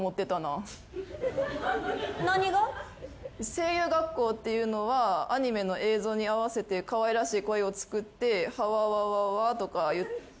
声優学校っていうのはアニメの映像に合わせてかわいらしい声をつくって「はわわわわ」とか言ったりするところ？